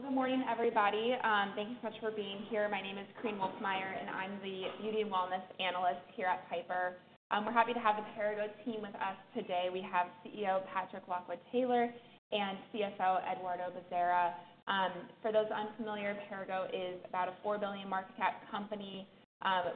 All right. Good morning, everybody. Thank you so much for being here. My name is Korinne Wolfmeyer, and I'm the Beauty and Wellness Analyst here at Piper. We're happy to have the Perrigo team with us today. We have CEO Patrick Lockwood-Taylor and CFO Eduardo Bezerra. For those unfamiliar, Perrigo is about a four billion market cap company.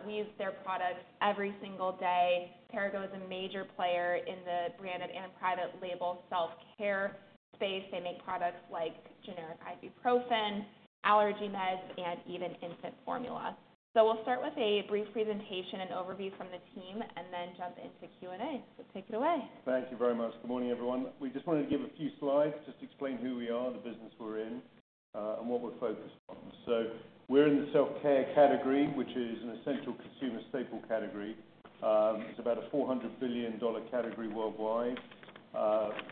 We use their products every single day. Perrigo is a major player in the branded and private label self-care space. They make products like generic ibuprofen, allergy meds, and even infant formula. We'll start with a brief presentation and overview from the team, and then jump into Q&A. Take it away. Thank you very much. Good morning, everyone. We just wanted to give a few slides, just to explain who we are, the business we're in, and what we're focused on. So we're in the self-care category, which is an essential consumer staple category. It's about a $400 billion dollar category worldwide.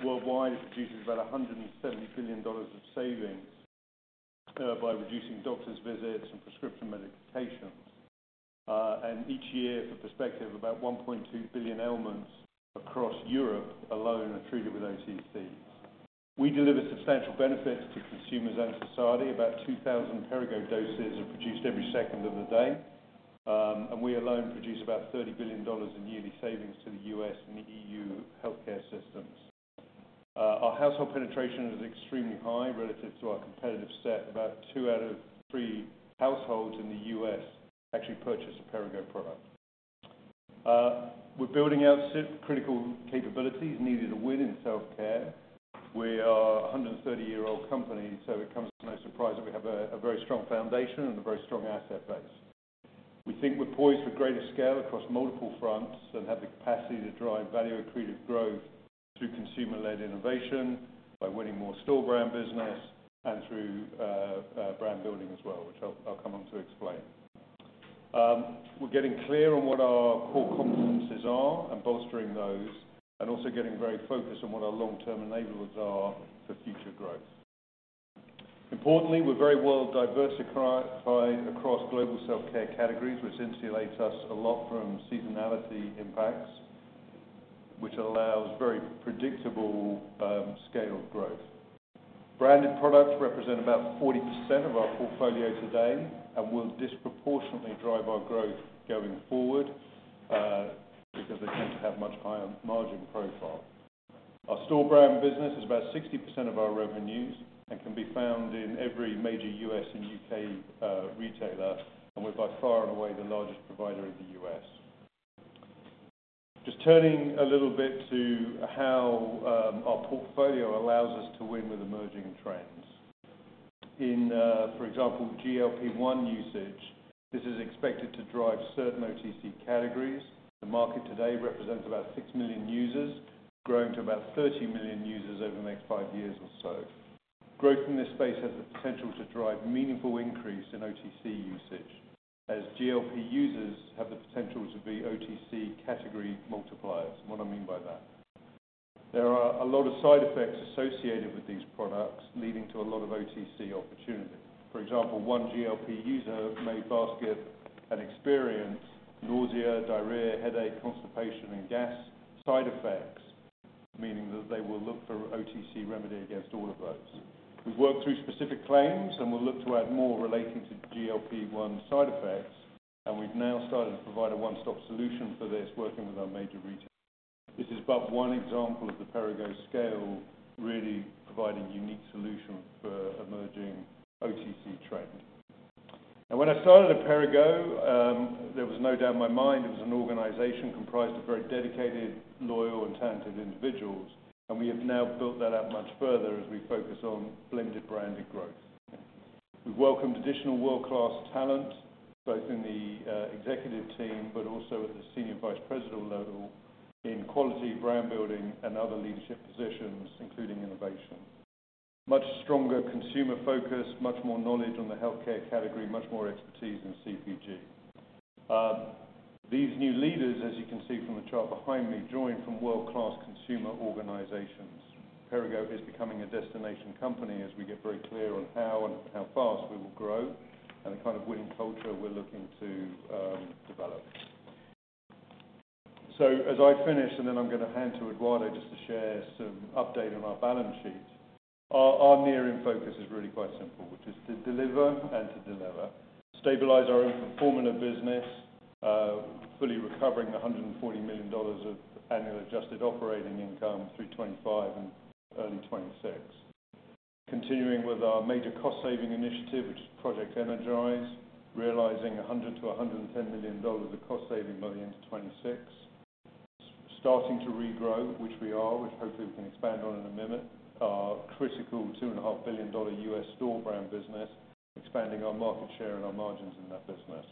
Worldwide, it produces about $170 billion dollars of savings by reducing doctor's visits and prescription medications. And each year, for perspective, about 1.2 billion ailments across Europe alone are treated with OTC. We deliver substantial benefits to consumers and society. About 2,000 Perrigo doses are produced every second of the day. And we alone produce about $30 billion dollars in yearly savings to the U.S. and the E.U. healthcare systems. Our household penetration is extremely high relative to our competitive set. About two out of three households in the U.S. actually purchase a Perrigo product. We're building out critical capabilities needed to win in self-care. We are a hundred and thirty-year-old company, so it comes to no surprise that we have a very strong foundation and a very strong asset base. We think we're poised for greater scale across multiple fronts and have the capacity to drive value-accretive growth through consumer-led innovation, by winning more store brand business, and through brand building as well, which I'll come on to explain. We're getting clear on what our core competencies are and bolstering those, and also getting very focused on what our long-term enablers are for future growth. Importantly, we're very well diversified across global self-care categories, which insulates us a lot from seasonality impacts, which allows very predictable scaled growth. Branded products represent about 40% of our portfolio today and will disproportionately drive our growth going forward, because they tend to have much higher margin profile. Our store brand business is about 60% of our revenues and can be found in every major U.S. and U.K. retailer, and we're by far and away the largest provider in the U.S. Just turning a little bit to how our portfolio allows us to win with emerging trends. In for example, GLP-1 usage, this is expected to drive certain OTC categories. The market today represents about 6 million users, growing to about 30 million users over the next five years or so. Growth in this space has the potential to drive meaningful increase in OTC usage, as GLP users have the potential to be OTC category multipliers. What do I mean by that? There are a lot of side effects associated with these products, leading to a lot of OTC opportunities. For example, one GLP user may basket and experience nausea, diarrhea, headache, constipation, and gas side effects, meaning that they will look for OTC remedy against all of those. We've worked through specific claims, and we'll look to add more relating to GLP-1 side effects, and we've now started to provide a one-stop solution for this, working with our major retailers. This is but one example of the Perrigo scale, really providing unique solution for emerging OTC trends. When I started at Perrigo, there was no doubt in my mind it was an organization comprised of very dedicated, loyal, and talented individuals, and we have now built that out much further as we focus on blended branded growth. We've welcomed additional world-class talent, both in the executive team, but also at the senior vice president level in quality brand building and other leadership positions, including innovation. Much stronger consumer focus, much more knowledge on the healthcare category, much more expertise in CPG. These new leaders, as you can see from the chart behind me, joined from world-class consumer organizations. Perrigo is becoming a destination company as we get very clear on how and how fast we will grow and the kind of winning culture we're looking to develop. So as I finish, and then I'm gonna hand to Eduardo just to share some update on our balance sheet. Our near-term focus is really quite simple, which is to deliver and stabilize our infant formula business, fully recovering $140 million of annual adjusted operating income through 2025 and early 2026. Continuing with our major cost-saving initiative, which is Project Energize, realizing $100 million to 110 million of cost saving by the end of 2026. Starting to regrow, which we are, which hopefully we can expand on in a minute. Our critical $2.5 billion U.S. store brand business, expanding our market share and our margins in that business.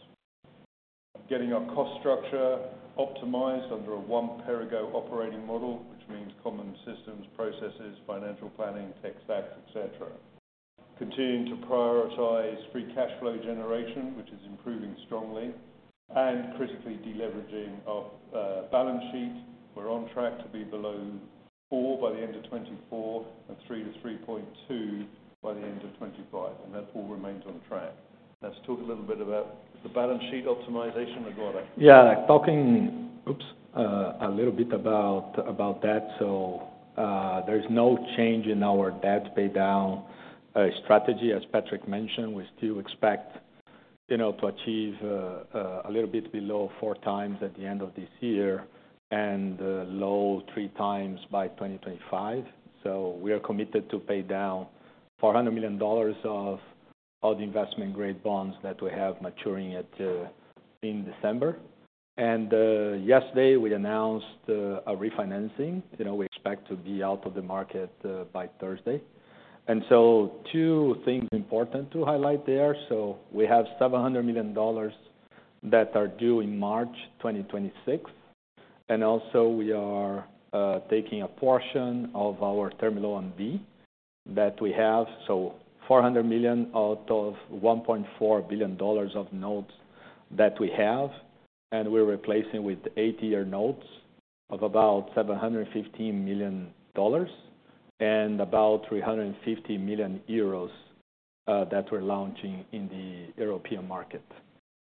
Getting our cost structure optimized under a One Perrigo operating model, which means common systems, processes, financial planning, tax acts, et cetera. Continuing to prioritize free cash flow generation, which is improving strongly, and critically deleveraging our balance sheet. We're on track to be below four by the end of 2024 and three to three point two by the end of 2025, and that all remains on track. Let's talk a little bit about the balance sheet optimization, Eduardo. Yeah, talking a little bit about that. So there's no change in our debt paydown strategy. As Patrick mentioned, we still expect, you know, to achieve a little bit below four times at the end of this year and low three times by 2025. So we are committed to pay down $400 million of all the investment-grade bonds that we have maturing in December. And yesterday, we announced a refinancing. You know, we expect to be out of the market by Thursday. And so two things important to highlight there. So we have $700 million that are due in March 2026, and also we are taking a portion of our Term Loan B that we have. So $400 million out of $1.4 billion of notes that we have, and we're replacing with eight-year notes of about $715 million and about 350 million euros that we're launching in the European market.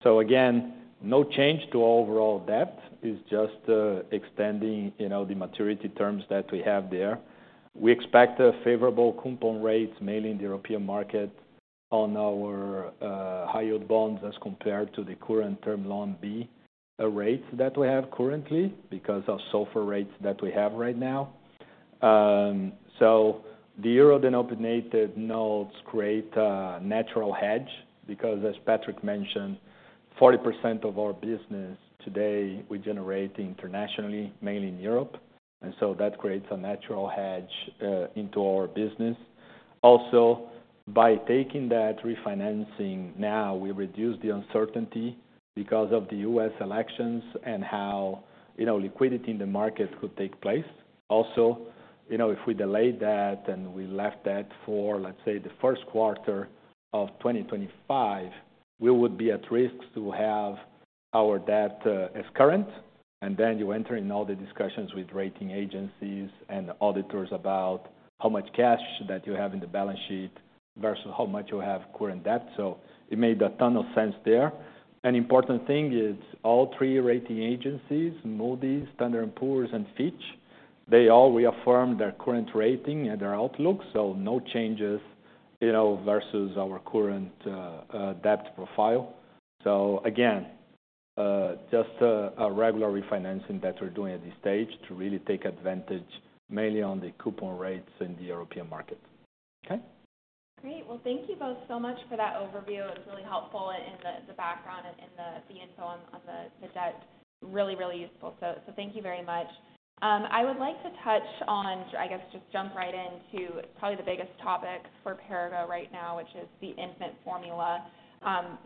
So again, no change to overall debt. It's just extending, you know, the maturity terms that we have there. We expect favorable coupon rates, mainly in the European market, on our high-yield bonds as compared to the current Term Loan B rates that we have currently because of SOFR rates that we have right now. So the euro-denominated notes create a natural hedge because, as Patrick mentioned, 40% of our business today we generate internationally, mainly in Europe, and so that creates a natural hedge into our business. Also, by taking that refinancing now, we reduce the uncertainty because of the U.S. elections and how, you know, liquidity in the market could take place. Also, you know, if we delayed that and we left that for, let's say, the Q1 of 2025, we would be at risk to have our debt as current, and then you enter in all the discussions with rating agencies and auditors about how much cash that you have in the balance sheet versus how much you have current debt, so it made a ton of sense there. An important thing is all three rating agencies, Moody's, Standard & Poor's, and Fitch, they all reaffirmed their current rating and their outlook, so no changes, you know, versus our current debt profile. So again, just a regular refinancing that we're doing at this stage to really take advantage, mainly on the coupon rates in the European market. Okay? Great. Well, thank you both so much for that overview. It's really helpful in the background and in the info on the debt. Really useful. So thank you very much. I would like to touch on, I guess, just jump right into probably the biggest topic for Perrigo right now, which is the infant formula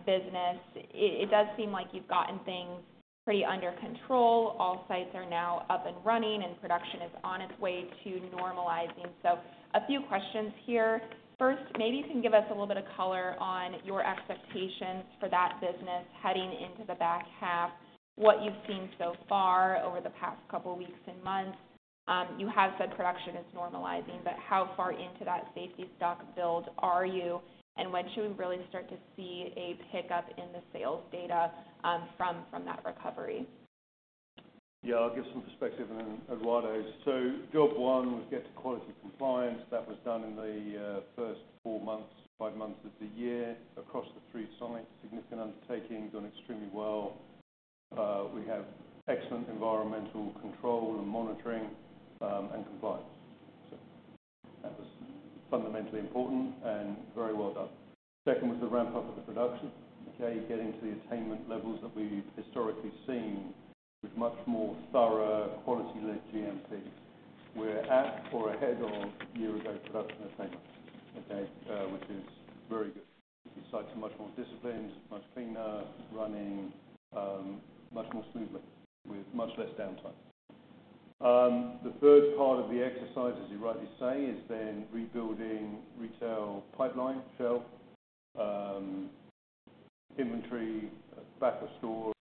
business. It does seem like you've gotten things pretty under control. All sites are now up and running, and production is on its way to normalizing. So a few questions here. First, maybe you can give us a little bit of color on your expectations for that business heading into the back half, what you've seen so far over the past couple of weeks and months. You have said production is normalizing, but how far into that safety stock build are you? When should we really start to see a pickup in the sales data from that recovery? Yeah, I'll give some perspective, and then Eduardo. So job one was get to quality compliance. That was done in the first four months, five months of the year across the three sites. Significant undertaking, done extremely well. We have excellent environmental control and monitoring, and compliance. So that was fundamentally important and very well done. Second was the ramp-up of the production. Okay, getting to the attainment levels that we've historically seen with much more thorough quality-led GMP. We're at or ahead of year-ago production attainment, okay, which is very good. The sites are much more disciplined, much cleaner, running much more smoothly, with much less downtime. The third part of the exercise, as you rightly say, is then rebuilding retail pipeline, shelf inventory, back of store,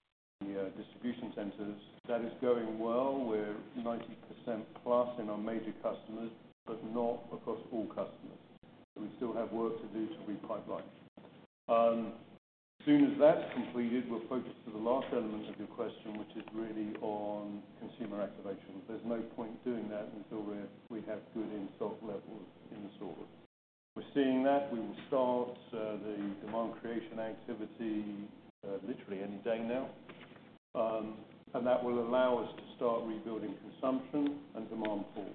the distribution centers. That is going well. We're 90% plus in our major customers, but not across all customers. We still have work to do to repipeline. As soon as that's completed, we'll focus to the last element of your question, which is really on consumer activation. There's no point doing that until we have good in-stock levels in store. We're seeing that. We will start the demand creation activity literally any day now. And that will allow us to start rebuilding consumption and demand pool.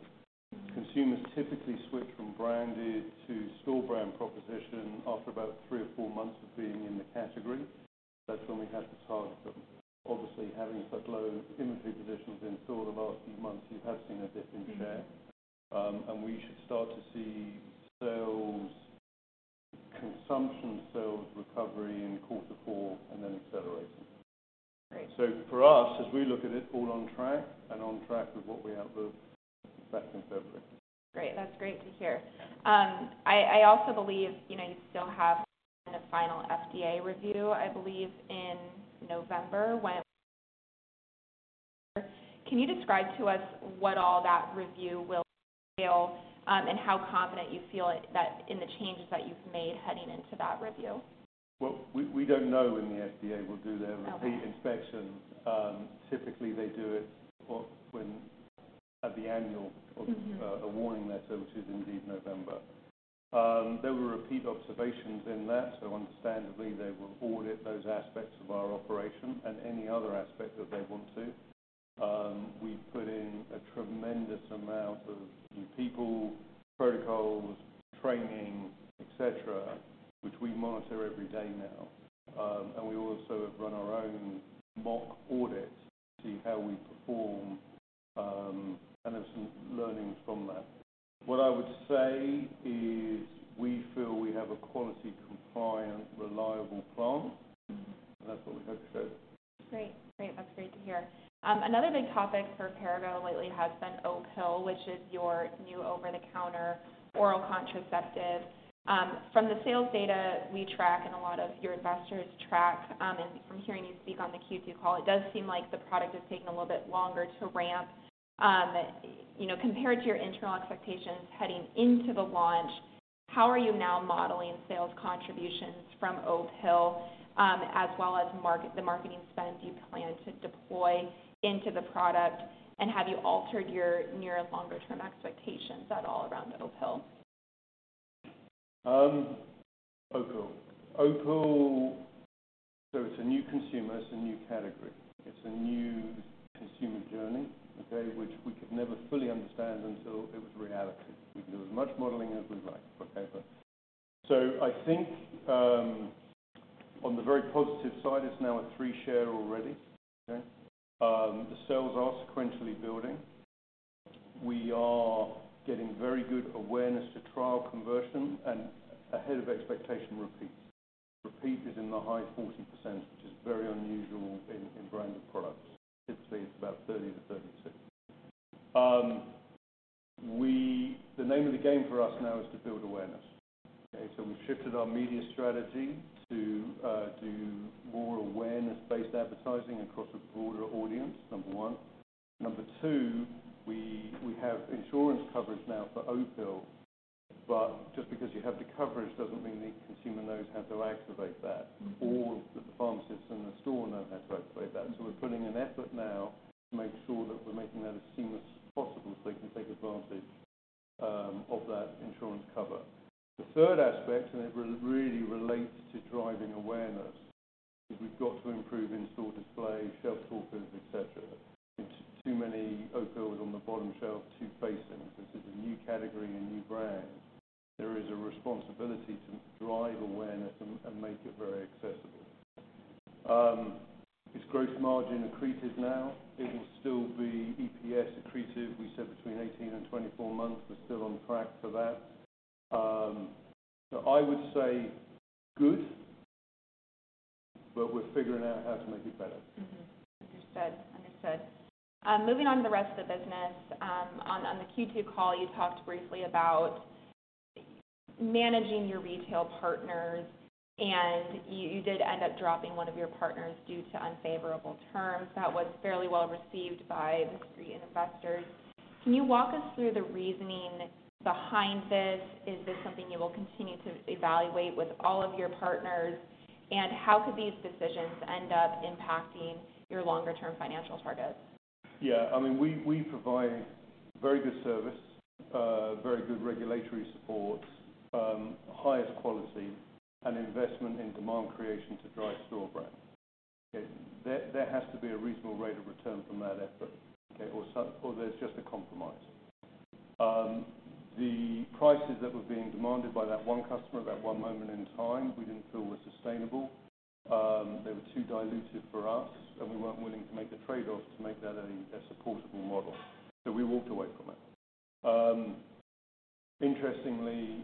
Consumers typically switch from branded to store brand proposition after about three or four months of being in the category. That's when we have the target, but obviously having such low inventory positions in store the last few months, you have seen a dip in share. And we should start to see sales, consumption sales recovery in Q4 and then accelerating. Great. So for us, as we look at it, all on track and on track with what we outlined back in February. Great. That's great to hear. Yeah. I also believe, you know, you still have the final FDA review, I believe, in November. Can you describe to us what all that review will entail, and how confident you feel it, that in the changes that you've made heading into that review? We don't know when the FDA will do their- Okay Pre-review inspection. Typically, they do it for when, at the annual Mm-hmm -or a warning letter, which is indeed November. There were repeat observations in that, so understandably, they will audit those aspects of our operation and any other aspect that they want to. We've put in a tremendous amount of new people, protocols, training, et cetera, which we monitor every day now, and we also have run our own mock audits to see how we perform, and have some learnings from that. What I would say is, we feel we have a quality, compliant, reliable plant. Mm-hmm. That's what we hope to show. Great. Great, that's great to hear. Another big topic for Perrigo lately has been Opill, which is your new over-the-counter oral contraceptive. From the sales data we track and a lot of your investors track, and from hearing you speak on the Q2 call, it does seem like the product is taking a little bit longer to ramp. You know, compared to your internal expectations heading into the launch, how are you now modeling sales contributions from Opill, as well as the marketing spend you plan to deploy into the product? And have you altered your longer-term expectations at all around Opill? Opill, so it's a new consumer, it's a new category. It's a new consumer journey, okay, which we could never fully understand until it was reality. We can do as much modeling as we like, okay, but so I think on the very positive side, it's now a 3% share already, okay. The sales are sequentially building. We are getting very good awareness to trial conversion and ahead of expectation, repeat. Repeat is in the high 40%, which is very unusual in brand new products. Typically, it's about 30% to 36%. The name of the game for us now is to build awareness. Okay, so we've shifted our media strategy to do more awareness-based advertising across a broader audience, number one. Number two, we have insurance coverage now for Opill, but just because you have the coverage doesn't mean the consumer knows how to activate that. Or that the pharmacists in the store know how to activate that. So we're putting an effort now to make sure that we're making that as seamless as possible so they can take advantage of that insurance cover. The third aspect, and it really relates to driving awareness, is we've got to improve in-store display, shelf talkers, et cetera. It's two Opill on the bottom shelf, two facings. This is a new category and new brand. There is a responsibility to drive awareness and make it very accessible. It's gross margin accretive now. It will still be EPS accretive, we said between 18 and 24 months. We're still on track for that. So I would say good, but we're figuring out how to make it better. Mm-hmm. Understood. Understood. Moving on to the rest of the business. On the Q2 call, you talked briefly about managing your retail partners, and you did end up dropping one of your partners due to unfavorable terms. That was fairly well-received by the Street investors. Can you walk us through the reasoning behind this? Is this something you will continue to evaluate with all of your partners? And how could these decisions end up impacting your longer-term financial targets? Yeah, I mean, we provide very good service, very good regulatory support, highest quality, and investment in demand creation to drive store brand. Okay, there has to be a reasonable rate of return from that effort, okay? Or there's just a compromise. The prices that were being demanded by that one customer at that one moment in time, we didn't feel were sustainable. They were too diluted for us, and we weren't willing to make the trade-offs to make that a supportable model. So we walked away from it. Interestingly,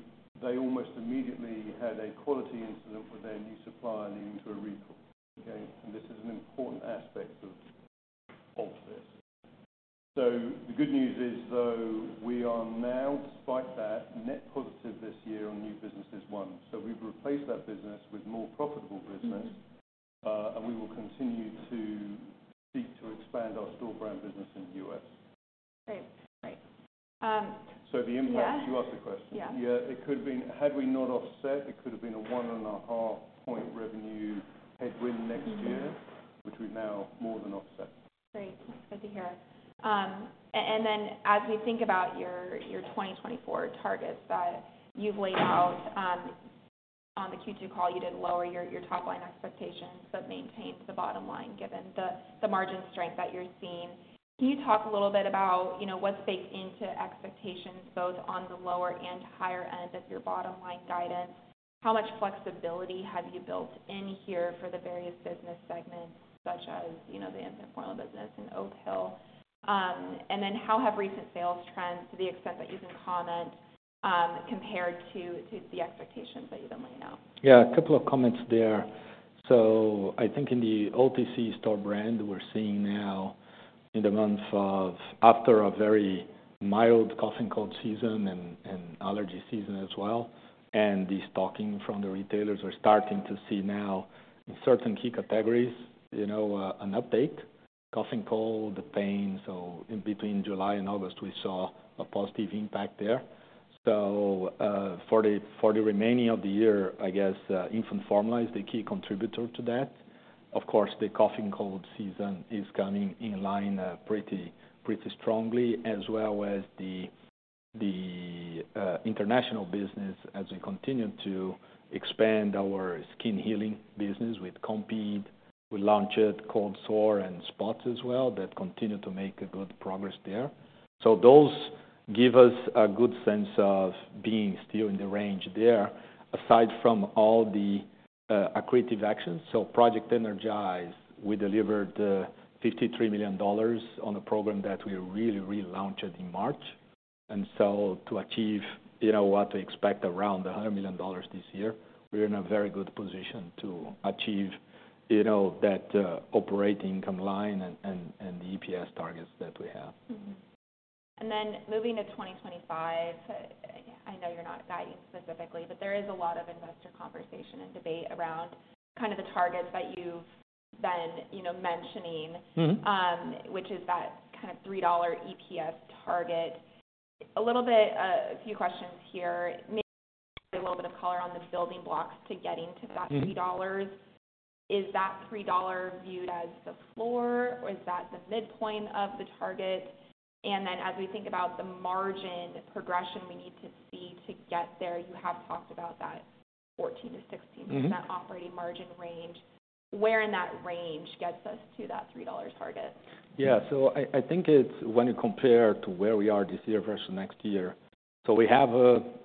they almost immediately had a quality incident with their new supplier leading to a recall, okay? And this is an important aspect of this. So the good news is, though, we are now, despite that, net positive this year on new businesses won. We've replaced that business with more profitable business. And we will continue to seek to expand our store brand business in the US. Great. Great. So the impact- Yeah. You asked the question. Yeah. Yeah, it could have been, had we not offset, it could have been a 1.5-point revenue headwind next year- Mm-hmm Which we've now more than offset. Great. Good to hear. And then as we think about your 2024 targets that you've laid out on the Q2 call, you did lower your top-line expectations, but maintained the bottom line, given the margin strength that you're seeing. Can you talk a little bit about, you know, what's baked into expectations, both on the lower and higher end of your bottom line guidance? How much flexibility have you built in here for the various business segments, such as, you know, the infant formula business and Opill? And then how have recent sales trends, to the extent that you can comment, compared to the expectations that you've been laying out? Yeah, a couple of comments there. So I think in the OTC store brand, we're seeing now in the month of—after a very mild cough and cold season and allergy season as well, and the stocking from the retailers, we're starting to see now in certain key categories, you know, an update. Cough and cold, the pain, so in between July and August, we saw a positive impact there. So, for the remaining of the year, I guess, infant formula is the key contributor to that. Of course, the cough and cold season is coming in line pretty strongly, as well as the international business as we continue to expand our skin healing business with Compeed. We launched it, cold sore and spots as well, that continue to make good progress there. Those give us a good sense of being still in the range there, aside from all the accretive actions. Project Energize, we delivered $53 million on a program that we really relaunched in March. To achieve, you know, what to expect around $100 million this year, we're in a very good position to achieve, you know, that operating income line and the EPS targets that we have. Mm-hmm, and then moving to 2025, I know you're not guiding specifically, but there is a lot of investor conversation and debate around kind of the targets that you've been, you know, mentioning. Mm-hmm. Which is that kind of $3 EPS target. A little bit, a few questions here. Maybe a little bit of color on the building blocks to getting to that $3. Mm-hmm. Is that $3 viewed as the floor, or is that the midpoint of the target? And then as we think about the margin progression we need to see to get there, you have talked about that 14-16- Mm-hmm -% operating margin range. Where in that range gets us to that $3 target? Yeah. So I think it's when you compare to where we are this year versus next year. So we have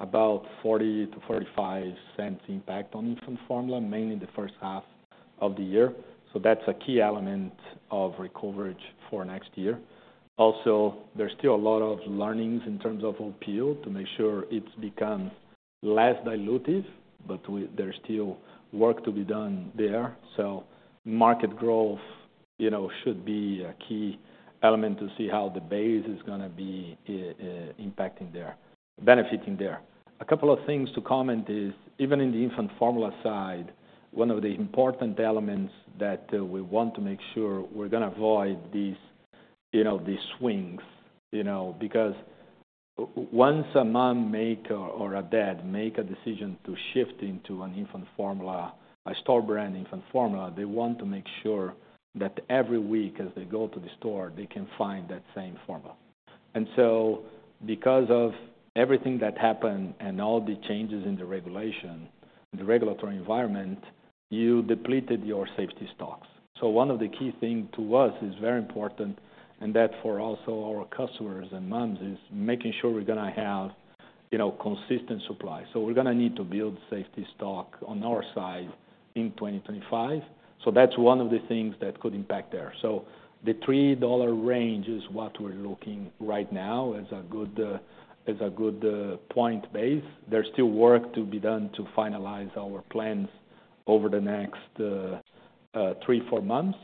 about $0.40-$0.45 impact on infant formula, mainly in the first half of the year. So that's a key element of recovery for next year. Also, there's still a lot of learnings in terms of Opill to make sure it's become less dilutive, but there's still work to be done there. So market growth, you know, should be a key element to see how the base is gonna be impacting there, benefiting there. A couple of things to comment is, even in the infant formula side, one of the important elements that we want to make sure we're gonna avoid these, you know, these swings, you know. Because once a mom make or a dad make a decision to shift into an infant formula, a store brand infant formula, they want to make sure that every week, as they go to the store, they can find that same formula. And so because of everything that happened and all the changes in the regulation, the regulatory environment, you depleted your safety stocks. So one of the key things to us is very important, and that for also our customers and moms, is making sure we're gonna have, you know, consistent supply. So we're gonna need to build safety stock on our side in 2025. So that's one of the things that could impact there. So the $3 range is what we're looking right now, as a good point base. There's still work to be done to finalize our plans over the next three, four months,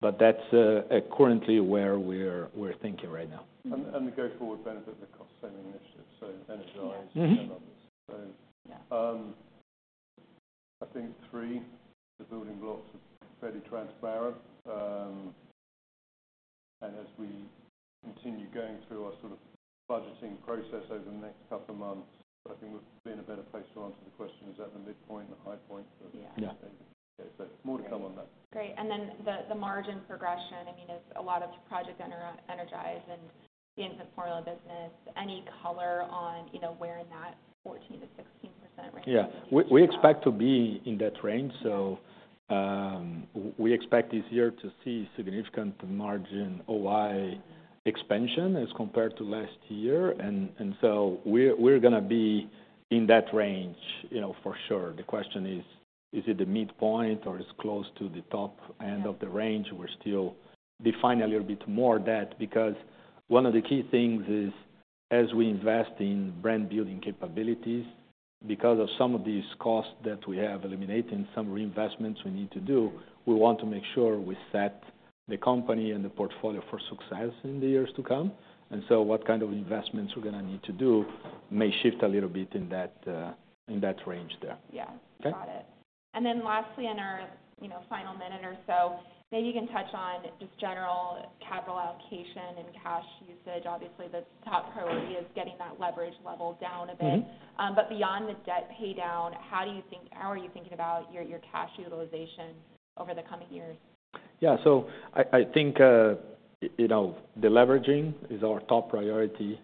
but that's currently where we're thinking right now. Mm-hmm. The go forward benefit of the cost-saving initiative, so Energize- Yeah. Mm-hmm. And others. Yeah. I think three, the building blocks are fairly transparent, and as we continue going through our sort of budgeting process over the next couple of months, I think we'll be in a better place to answer the question, is that the midpoint, the high point? Yeah. Yeah. So more to come on that. Great. And then the margin progression, I mean, it's a lot of Project Energize and the infant formula business. Any color on, you know, where in that 14%-16% range? Yeah. We expect to be in that range, so we expect this year to see significant margin OI expansion as compared to last year. And so we're gonna be in that range, you know, for sure. The question is, is it the midpoint or is close to the top end of the range? We're still defining a little bit more of that, because one of the key things is, as we invest in brand building capabilities, because of some of these costs that we have eliminated and some reinvestments we need to do, we want to make sure we set the company and the portfolio for success in the years to come. And so what kind of investments we're gonna need to do may shift a little bit in that range there. Yeah. Okay? Got it. And then lastly, in our, you know, final minute or so, maybe you can touch on just general capital allocation and cash usage. Obviously, the top priority is getting that leverage level down a bit. Mm-hmm. But beyond the debt pay down, how are you thinking about your cash utilization over the coming years? Yeah. So I think, you know, the leveraging is our top priority,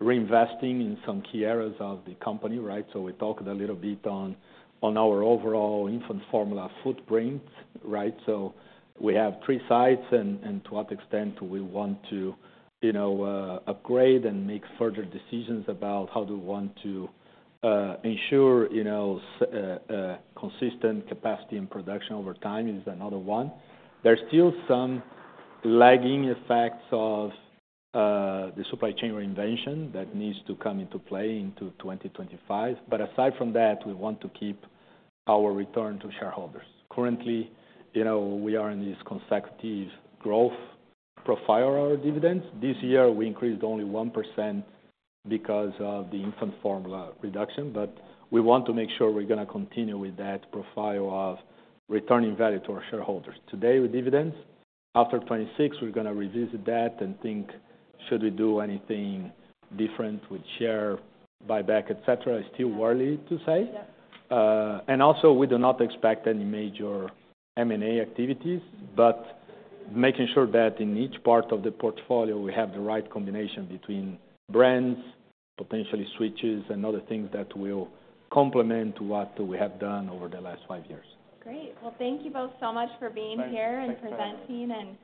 reinvesting in some key areas of the company, right? So we talked a little bit on our overall infant formula footprint, right? So we have three sites, and to what extent we want to, you know, upgrade and make further decisions about how do we want to ensure, you know, consistent capacity and production over time is another one. There's still some lagging effects of the supply chain reinvention that needs to come into play into 2025. But aside from that, we want to keep our return to shareholders. Currently, you know, we are in this consecutive growth profile of our dividends. This year, we increased only 1% because of the infant formula reduction, but we want to make sure we're gonna continue with that profile of returning value to our shareholders. Today, with dividends, after 2026, we're gonna revisit that and think, should we do anything different with share buyback, et cetera? It's still early to say. Yeah. And also, we do not expect any major M&A activities, but making sure that in each part of the portfolio, we have the right combination between brands, potentially switches and other things that will complement what we have done over the last five years. Great. Well, thank you both so much for being here- Thanks. -and presenting, and,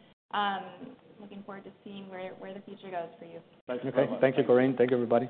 looking forward to seeing where the future goes for you. Thanks so much. Okay. Thank you, Korinne. Thank you, everybody.